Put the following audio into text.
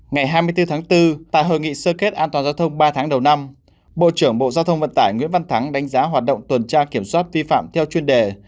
ngày hai mươi bốn tháng bốn tại hội nghị sơ kết an toàn giao thông ba tháng đầu năm bộ trưởng bộ giao thông vận tải nguyễn văn thắng đánh giá hoạt động tuần tra kiểm soát vi phạm theo chuyên đề